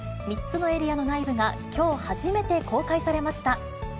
３つのエリアの内部がきょう初めて公開されました。